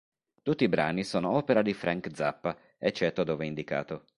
Tutti i brani sono opera di Frank Zappa, eccetto dove indicato.